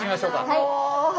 はい。